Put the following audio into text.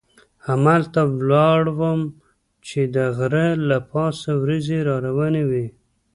همالته ولاړ وم چې د غره له پاسه وریځې را روانې وې.